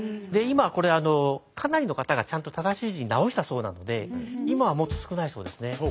で今はこれかなりの方がちゃんと正しい字に直したそうなので今はもっと少ないそうですね。